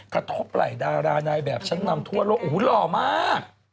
กระทบไหล่ดารานายแบบชั้นนำทั่วโลกโอ้โหหล่อมาก